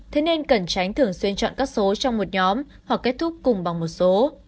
thế nên cần tránh thường xuyên chọn các số trong một nhóm hoặc kết thúc cùng bằng một số